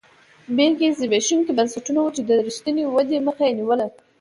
بلکې زبېښونکي بنسټونه وو چې د رښتینې ودې مخه یې نیوله